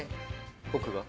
僕が？